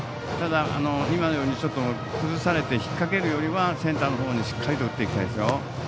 今のように崩されて引っ掛けるよりはセンターの方にしっかりと打っていきたいですよ。